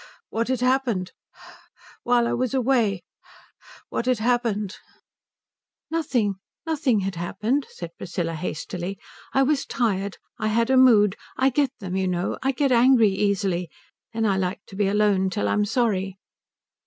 What had happened? While I was away what had happened?" "Nothing nothing had happened," said Priscilla hastily. "I was tired. I had a mood. I get them, you know. I get angry easily. Then I like to be alone till I'm sorry."